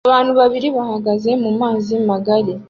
Abantu babiri bahagaze mumazi magari